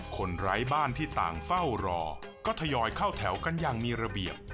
ไร้บ้านที่ต่างเฝ้ารอก็ทยอยเข้าแถวกันอย่างมีระเบียบ